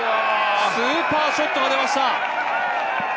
スーパーショットが出ました！